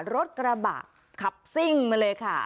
รถกระบะขับซิ่งมาเลยค่ะ